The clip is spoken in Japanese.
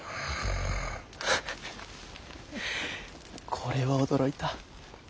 これは驚いた。